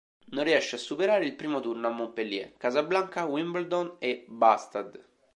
Non riesce a superare il primo turno a Montpellier, Casablanca, Wimbledon e Båstad.